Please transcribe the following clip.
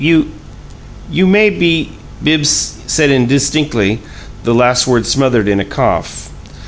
"You you may be " Bibbs said, indistinctly, the last word smothered in a cough.